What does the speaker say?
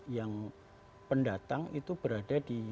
yang pendatang itu berada